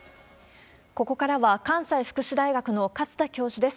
ここからは、関西福祉大学の勝田教授です。